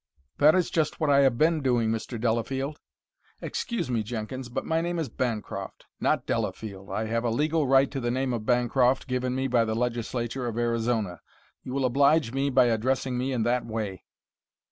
"That is just what I have been doing, Mr. Delafield." "Excuse me, Jenkins, but my name is Bancroft, not Delafield. I have a legal right to the name of Bancroft, given me by the legislature of Arizona. You will oblige me by addressing me in that way."